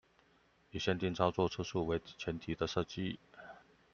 以限定操作次數為前提的設計